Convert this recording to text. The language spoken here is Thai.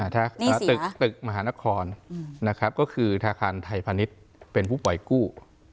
ถ้าตึกมหานครนะครับก็คือธนาคารไทยพาณิชย์เป็นผู้ปล่อยกู้